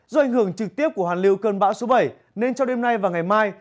do ảnh hưởng trực tiếp của hàn lưu cơn bão số bảy nên trong đêm nay và ngày mai